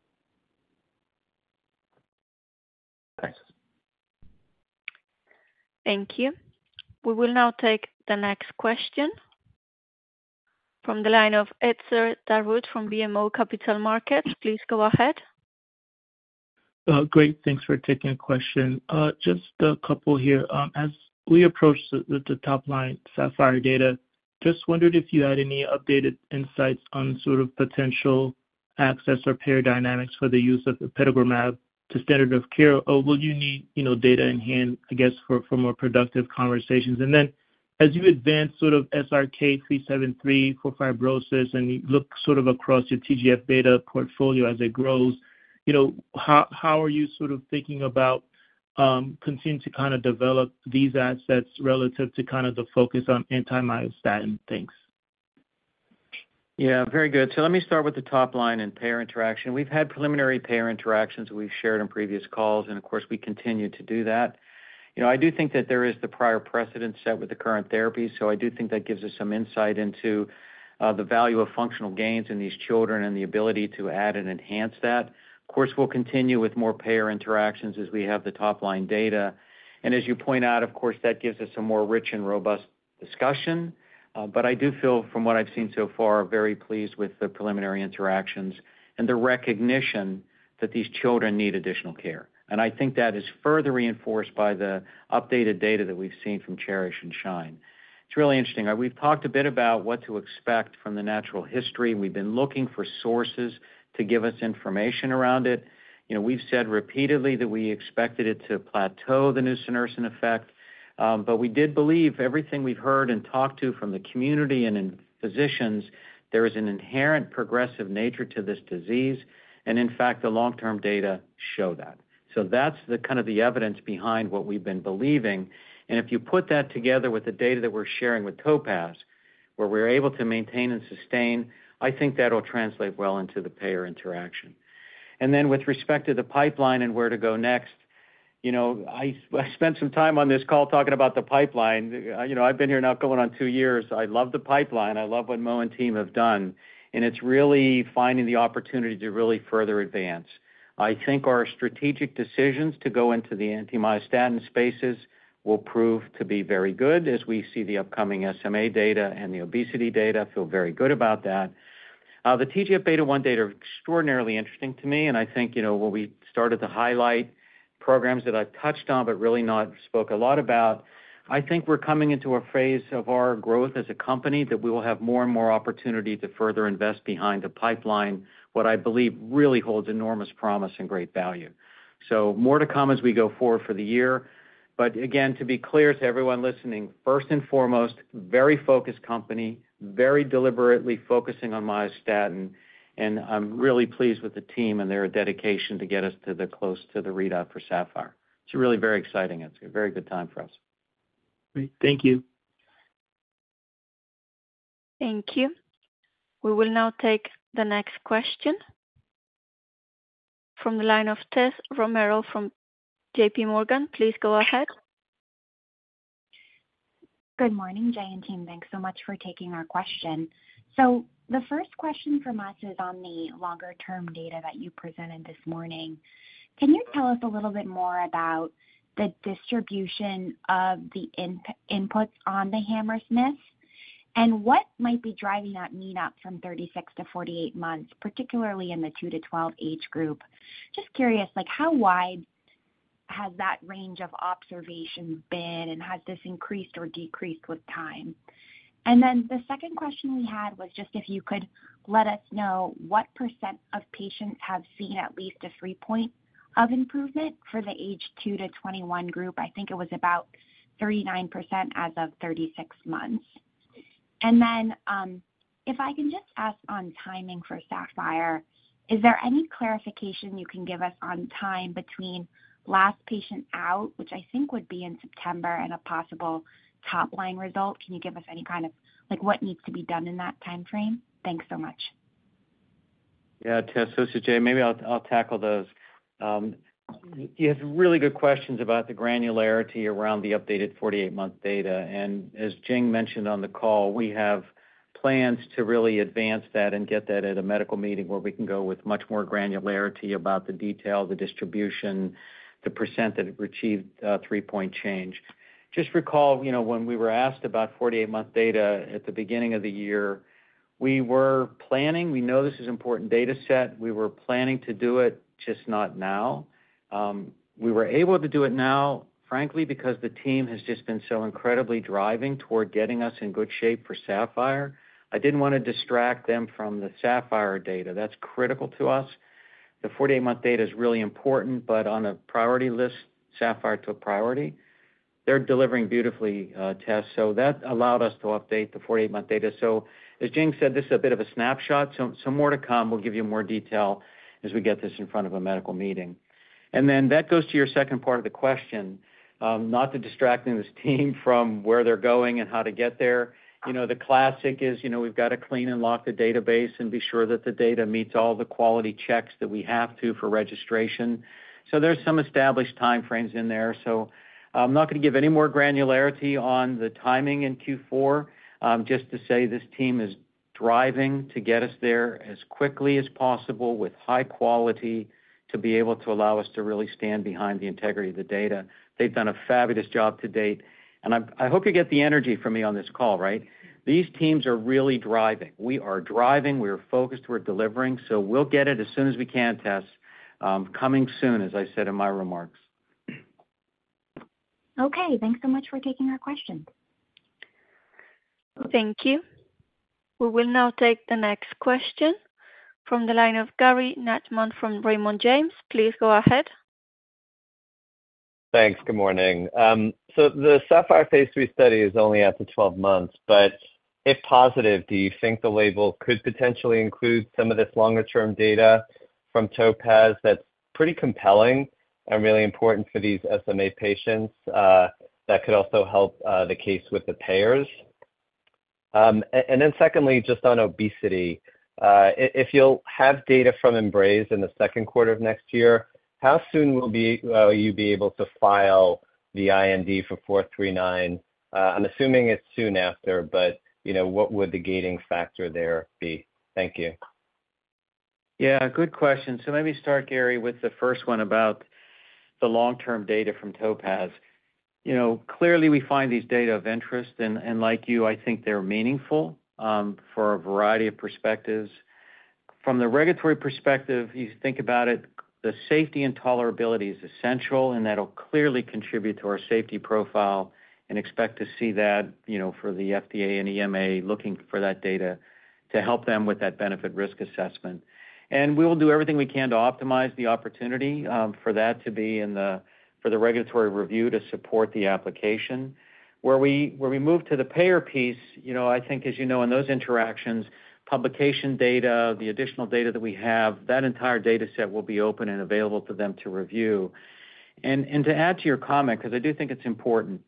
Thanks. Thank you. We will now take the next question from the line of Etzer Darout from BMO Capital Markets. Please go ahead. Great, thanks for taking the question. Just a couple here. As we approach the top line SAPPHIRE data, just wondered if you had any updated insights on sort of potential access or payer dynamics for the use of apitegromab to standard of care? Or will you need, you know, data in hand, I guess, for more productive conversations? And then as you advance sort of SRK-373 for fibrosis, and you look sort of across your TGF-beta portfolio as it grows, you know, how are you sort of thinking about continuing to kind of develop these assets relative to kind of the focus on anti-myostatin things? ... Yeah, very good. So let me start with the top line and payer interaction. We've had preliminary payer interactions we've shared on previous calls, and of course, we continue to do that. You know, I do think that there is the prior precedent set with the current therapy, so I do think that gives us some insight into the value of functional gains in these children and the ability to add and enhance that. Of course, we'll continue with more payer interactions as we have the top-line data. And as you point out, of course, that gives us a more rich and robust discussion. But I do feel, from what I've seen so far, very pleased with the preliminary interactions and the recognition that these children need additional care. And I think that is further reinforced by the updated data that we've seen from CHERISH and SHINE. It's really interesting. We've talked a bit about what to expect from the natural history. We've been looking for sources to give us information around it. You know, we've said repeatedly that we expected it to plateau, the nusinersen effect, but we did believe everything we've heard and talked to from the community and in physicians, there is an inherent progressive nature to this disease, and in fact, the long-term data show that. So that's the kind of the evidence behind what we've been believing. And if you put that together with the data that we're sharing with TOPAZ, where we're able to maintain and sustain, I think that'll translate well into the payer interaction. And then with respect to the pipeline and where to go next, you know, I, I spent some time on this call talking about the pipeline. You know, I've been here now going on two years. I love the pipeline. I love what Mo and team have done, and it's really finding the opportunity to really further advance. I think our strategic decisions to go into the anti-myostatin spaces will prove to be very good as we see the upcoming SMA data and the obesity data. Feel very good about that. The TGF-beta 1 data are extraordinarily interesting to me, and I think, you know, when we started to highlight programs that I've touched on, but really not spoke a lot about, I think we're coming into a phase of our growth as a company that we will have more and more opportunity to further invest behind the pipeline, what I believe really holds enormous promise and great value. So more to come as we go forward for the year. But again, to be clear to everyone listening, first and foremost, very focused company, very deliberately focusing on myostatin, and I'm really pleased with the team and their dedication to get us close to the readout for SAPPHIRE. It's really very exciting. It's a very good time for us. Great. Thank you. Thank you. We will now take the next question from the line of Tessa Romero from JP Morgan. Please go ahead. Good morning, Jay and team. Thanks so much for taking our question. So the first question from us is on the longer-term data that you presented this morning. Can you tell us a little bit more about the distribution of the improvements on the Hammersmith? And what might be driving that mean up from 36 to 48 months, particularly in the 2-12 age group? Just curious, like, how wide has that range of observation been, and has this increased or decreased with time? And then the second question we had was just if you could let us know what % of patients have seen at least a 3-point improvement for the 2-21 age group. I think it was about 39% as of 36 months. Then, if I can just ask on timing for SAPPHIRE, is there any clarification you can give us on time between last patient out, which I think would be in September, and a possible top-line result? Can you give us any kind of—like, what needs to be done in that time frame? Thanks so much. Yeah, Tessa, this is Jay. Maybe I'll tackle those. You have really good questions about the granularity around the updated 48-month data. And as Jing mentioned on the call, we have plans to really advance that and get that at a medical meeting where we can go with much more granularity about the detail, the distribution, the percent that have achieved a 3-point change. Just recall, you know, when we were asked about 48-month data at the beginning of the year, we were planning. We know this is important data set. We were planning to do it, just not now. We were able to do it now, frankly, because the team has just been so incredibly driving toward getting us in good shape for SAPPHIRE. I didn't want to distract them from the SAPPHIRE data. That's critical to us. The 48-month data is really important, but on a priority list, SAPPHIRE took priority. They're delivering beautifully, Tess, so that allowed us to update the 48-month data. So as Jing said, this is a bit of a snapshot, so some more to come. We'll give you more detail as we get this in front of a medical meeting. And then that goes to your second part of the question, not distracting this team from where they're going and how to get there. You know, the classic is, you know, we've got to clean and lock the database and be sure that the data meets all the quality checks that we have to for registration. So there's some established time frames in there. So I'm not going to give any more granularity on the timing in Q4. Just to say this team is driving to get us there as quickly as possible with high quality, to be able to allow us to really stand behind the integrity of the data. They've done a fabulous job to date, and I hope you get the energy from me on this call, right? These teams are really driving. We are driving, we are focused, we're delivering, so we'll get it as soon as we can, Tess. Coming soon, as I said in my remarks. Okay, thanks so much for taking our question. Thank you. We will now take the next question from the line of Gary Nachman from Raymond James. Please go ahead. Thanks. Good morning. So the SAPPHIRE Phase 3 study is only out to 12 months, but if positive, do you think the label could potentially include some of this longer-term data from TOPAZ that's pretty compelling? ... are really important for these SMA patients, that could also help, the case with the payers? And then secondly, just on obesity, if you'll have data from EMBRACE in the second quarter of next year, how soon will be, you be able to file the IND for 439? I'm assuming it's soon after, but, you know, what would the gating factor there be? Thank you. Yeah, good question. So let me start, Gary, with the first one about the long-term data from TOPAZ. You know, clearly, we find these data of interest, and like you, I think they're meaningful for a variety of perspectives. From the regulatory perspective, you think about it, the safety and tolerability is essential, and that'll clearly contribute to our safety profile and expect to see that, you know, for the FDA and EMA looking for that data to help them with that benefit risk assessment. And we will do everything we can to optimize the opportunity for that to be for the regulatory review to support the application. Where we move to the payer piece, you know, I think, as you know, in those interactions, publication data, the additional data that we have, that entire dataset will be open and available for them to review. And to add to your comment, because I do think it's important,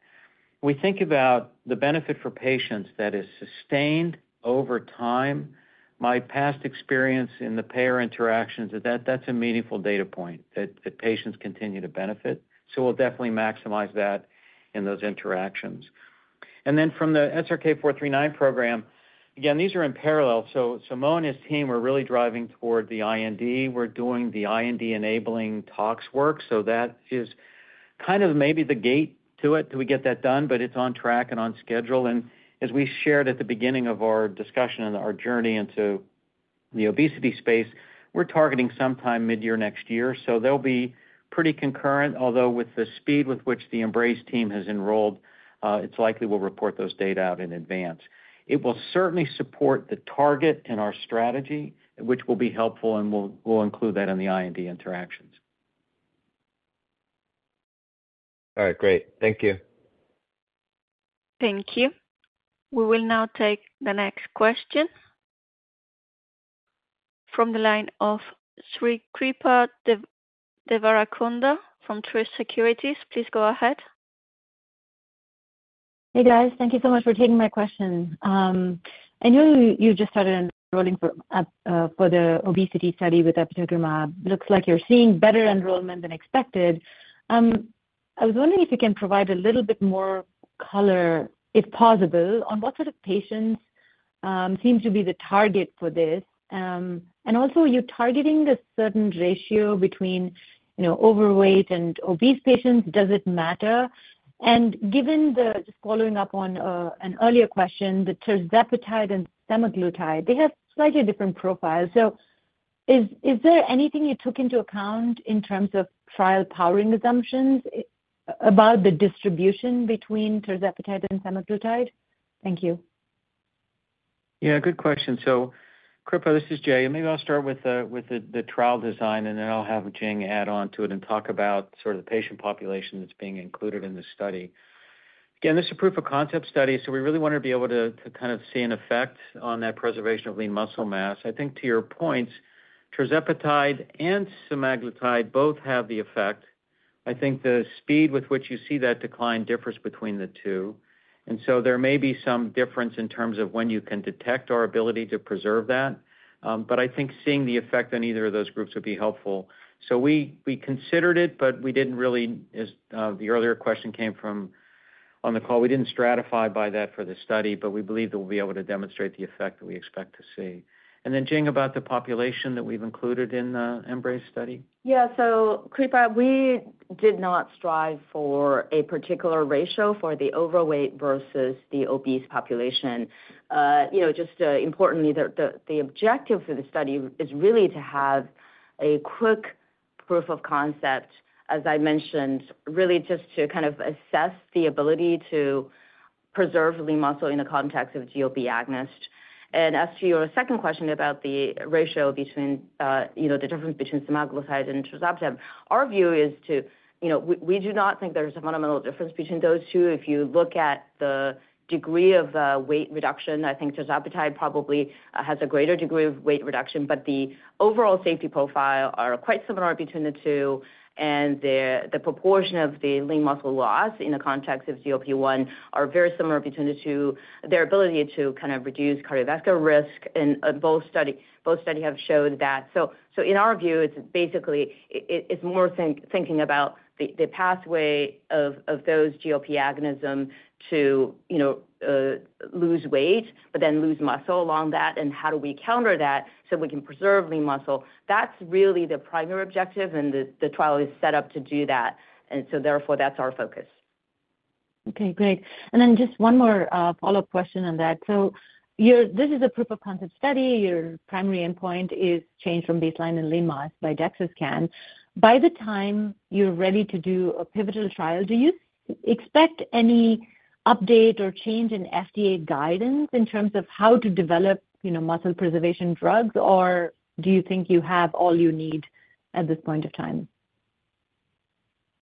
we think about the benefit for patients that is sustained over time. My past experience in the payer interactions is that that's a meaningful data point, that patients continue to benefit. So we'll definitely maximize that in those interactions. And then from the SRK-439 program, again, these are in parallel. So Mo and his team are really driving toward the IND. We're doing the IND-enabling tox work, so that is kind of maybe the gate to it till we get that done, but it's on track and on schedule. As we shared at the beginning of our discussion and our journey into the obesity space, we're targeting sometime midyear next year, so they'll be pretty concurrent, although with the speed with which the EMBRACE team has enrolled, it's likely we'll report those data out in advance. It will certainly support the target and our strategy, which will be helpful, and we'll include that in the IND interactions. All right, great. Thank you. Thank you. We will now take the next question from the line of Srikripa Devarakonda from Truist Securities. Please go ahead. Hey, guys. Thank you so much for taking my question. I know you just started enrolling for the obesity study with SRK-439. Looks like you're seeing better enrollment than expected. I was wondering if you can provide a little bit more color, if possible, on what sort of patients seem to be the target for this. And also, you're targeting this certain ratio between, you know, overweight and obese patients. Does it matter? And given the, just following up on an earlier question, the tirzepatide and semaglutide, they have slightly different profiles. So is there anything you took into account in terms of trial powering assumptions about the distribution between tirzepatide and semaglutide? Thank you. Yeah, good question. So Kripa, this is Jay, and maybe I'll start with the trial design, and then I'll have Jing add on to it and talk about sort of the patient population that's being included in the study. Again, this is a proof of concept study, so we really want to be able to kind of see an effect on that preservation of lean muscle mass. I think to your points, tirzepatide and semaglutide both have the effect. I think the speed with which you see that decline differs between the two, and so there may be some difference in terms of when you can detect our ability to preserve that, but I think seeing the effect on either of those groups would be helpful. So we considered it, but we didn't really, as the earlier question came from on the call, we didn't stratify by that for the study, but we believe that we'll be able to demonstrate the effect that we expect to see. And then, Jing, about the population that we've included in the EMBRACE study? Yeah. So, Kripa, we did not strive for a particular ratio for the overweight versus the obese population. You know, just, importantly, the objective for the study is really to have a quick proof of concept, as I mentioned, really just to kind of assess the ability to preserve lean muscle in the context of GLP agonist. And as to your second question about the ratio between, you know, the difference between semaglutide and tirzepatide, our view is to, you know, we do not think there's a fundamental difference between those two. If you look at the degree of weight reduction, I think tirzepatide probably has a greater degree of weight reduction, but the overall safety profile are quite similar between the two, and the proportion of the lean muscle loss in the context of GLP-1 are very similar between the two. Their ability to kind of reduce cardiovascular risk in both study, both study have showed that. So in our view, it's basically it's more thinking about the pathway of those GLP-1 agonism to you know lose weight, but then lose muscle along that, and how do we counter that so we can preserve lean muscle? That's really the primary objective, and the trial is set up to do that, and so therefore that's our focus. Okay, great. And then just one more, follow-up question on that. So your-- this is a proof of concept study. Your primary endpoint is change from baseline and lean mass by DEXA scan. By the time you're ready to do a pivotal trial, do you expect any update or change in FDA guidance in terms of how to develop, you know, muscle preservation drugs, or do you think you have all you need at this point of time?...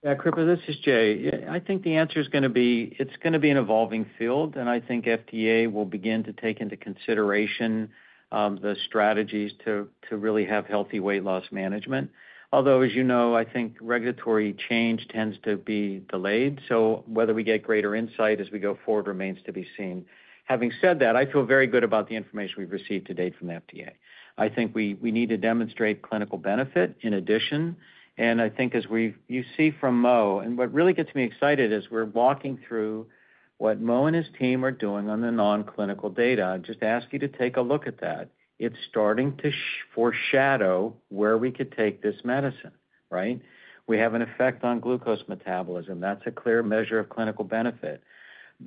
Yeah, Kripa, this is Jay. Yeah, I think the answer is going to be, it's going to be an evolving field, and I think FDA will begin to take into consideration the strategies to really have healthy weight loss management. Although, as you know, I think regulatory change tends to be delayed, so whether we get greater insight as we go forward remains to be seen. Having said that, I feel very good about the information we've received to date from the FDA. I think we need to demonstrate clinical benefit in addition, and I think as you see from Mo, and what really gets me excited is we're walking through what Mo and his team are doing on the non-clinical data. I'd just ask you to take a look at that. It's starting to foreshadow where we could take this medicine, right? We have an effect on glucose metabolism. That's a clear measure of clinical benefit.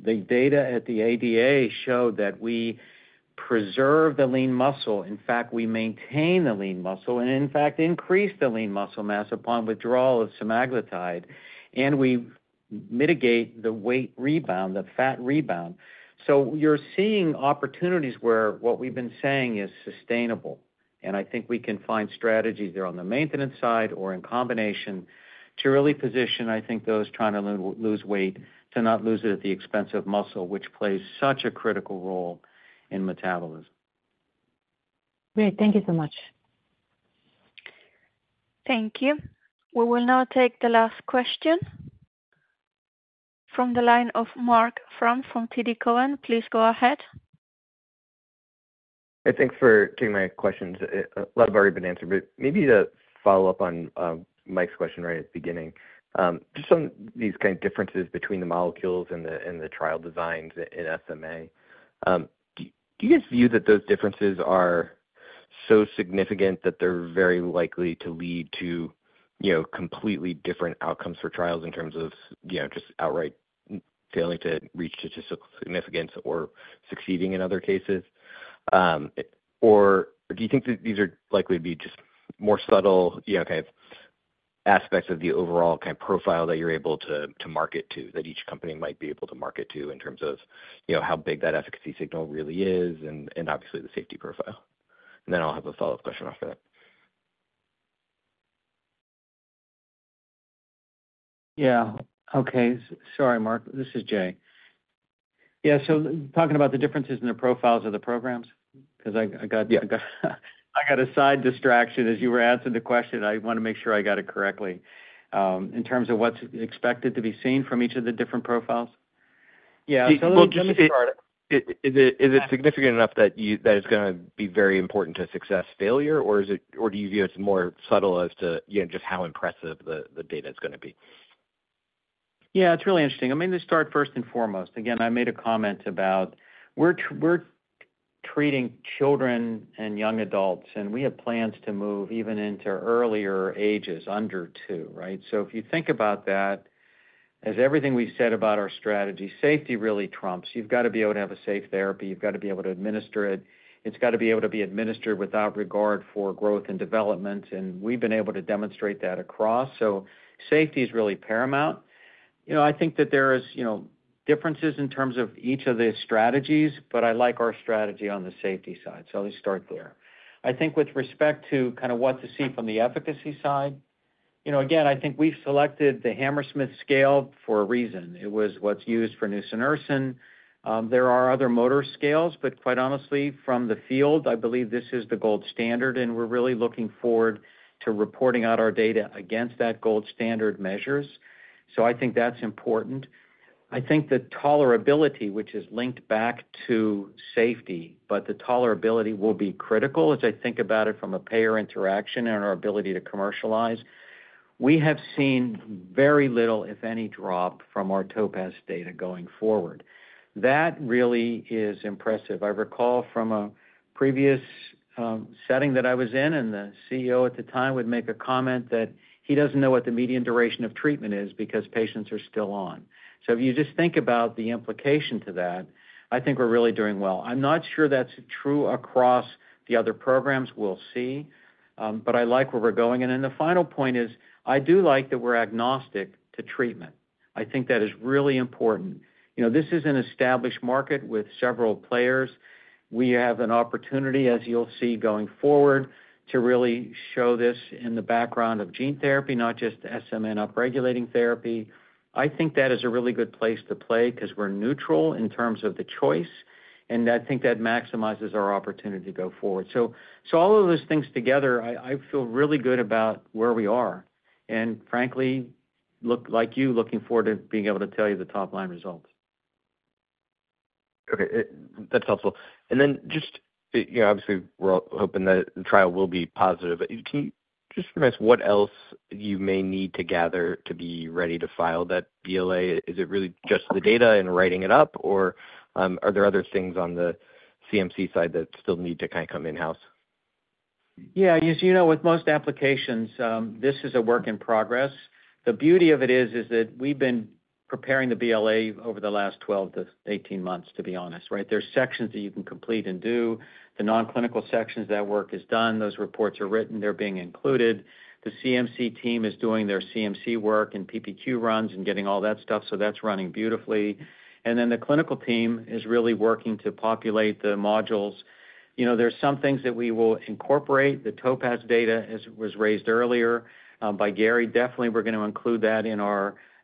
The data at the ADA showed that we preserve the lean muscle. In fact, we maintain the lean muscle and, in fact, increase the lean muscle mass upon withdrawal of semaglutide, and we mitigate the weight rebound, the fat rebound. So you're seeing opportunities where what we've been saying is sustainable, and I think we can find strategies there on the maintenance side or in combination to really position, I think, those trying to lose weight, to not lose it at the expense of muscle, which plays such a critical role in metabolism. Great. Thank you so much. Thank you. We will now take the last question from the line of Marc Frahm from TD Cowen. Please go ahead. Hey, thanks for taking my questions. A lot have already been answered, but maybe to follow up on Mike's question right at the beginning. Just on these kind of differences between the molecules and the and the trial designs in SMA. Do you guys view that those differences are so significant that they're very likely to lead to, you know, completely different outcomes for trials in terms of, you know, just outright failing to reach statistical significance or succeeding in other cases? Or do you think that these are likely to be just more subtle, you know, kind of aspects of the overall kind of profile that you're able to to market to, that each company might be able to market to in terms of, you know, how big that efficacy signal really is and and obviously, the safety profile? And then I'll have a follow-up question after that. Yeah. Okay. Sorry, Marc, this is Jay. Yeah, so talking about the differences in the profiles of the programs? Because I, I got- Yeah. I got a side distraction as you were asking the question. I want to make sure I got it correctly. In terms of what's expected to be seen from each of the different profiles? Yeah, so let me start- Is it significant enough that you-- that it's gonna be very important to success, failure, or is it... Or do you view it as more subtle as to, you know, just how impressive the data is gonna be? Yeah, it's really interesting. I mean, let's start first and foremost. Again, I made a comment about we're treating children and young adults, and we have plans to move even into earlier ages, under two, right? So if you think about that, as everything we've said about our strategy, safety really trumps. You've got to be able to have a safe therapy. You've got to be able to administer it. It's got to be able to be administered without regard for growth and development, and we've been able to demonstrate that across. So safety is really paramount. You know, I think that there is, you know, differences in terms of each of the strategies, but I like our strategy on the safety side, so let me start there. I think with respect to kind of what to see from the efficacy side, you know, again, I think we selected the Hammersmith scale for a reason. It was what's used for nusinersen. There are other motor scales, but quite honestly, from the field, I believe this is the gold standard, and we're really looking forward to reporting out our data against that gold standard measures. So I think that's important. I think the tolerability, which is linked back to safety, but the tolerability will be critical as I think about it from a payer interaction and our ability to commercialize. We have seen very little, if any, drop from our TOPAZ data going forward. That really is impressive. I recall from a previous setting that I was in, and the CEO at the time would make a comment that he doesn't know what the median duration of treatment is because patients are still on. So if you just think about the implication to that, I think we're really doing well. I'm not sure that's true across the other programs. We'll see, but I like where we're going. And then the final point is, I do like that we're agnostic to treatment. I think that is really important. You know, this is an established market with several players. We have an opportunity, as you'll see going forward, to really show this in the background of gene therapy, not just SMN upregulating therapy. I think that is a really good place to play because we're neutral in terms of the choice, and I think that maximizes our opportunity to go forward. So all of those things together, I feel really good about where we are and frankly, looking forward to being able to tell you the top line results. Okay, that's helpful. And then just, you know, obviously, we're all hoping that the trial will be positive, but can you just remind us what else you may need to gather to be ready to file that BLA? Is it really just the data and writing it up, or, are there other things on the CMC side that still need to kind of come in-house? Yeah, as you know, with most applications, this is a work in progress. The beauty of it is, is that we've been preparing the BLA over the last 12-18 months, to be honest, right? There are sections that you can complete and do. The non-clinical sections, that work is done. Those reports are written. They're being included. The CMC team is doing their CMC work and PPQ runs and getting all that stuff, so that's running beautifully. And then the clinical team is really working to populate the modules. You know, there are some things that we will incorporate. The TOPAZ data, as was raised earlier, by Gary, definitely we're going to include that in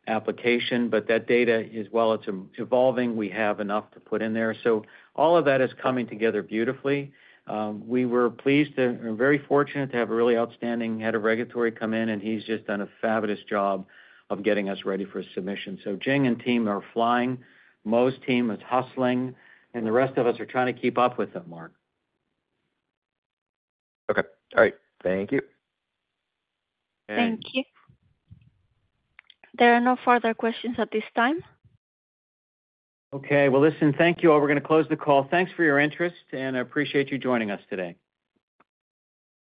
our application, but that data is, while it's evolving, we have enough to put in there. So all of that is coming together beautifully. We were pleased and very fortunate to have a really outstanding head of regulatory come in, and he's just done a fabulous job of getting us ready for submission. So Jing and team are flying, Mo's team is hustling, and the rest of us are trying to keep up with them, Mark. Okay, all right. Thank you. Thank you. There are no further questions at this time. Okay. Well, listen, thank you all. We're going to close the call. Thanks for your interest, and I appreciate you joining us today.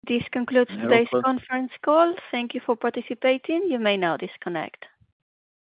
This concludes today's conference call. Thank you for participating. You may now disconnect.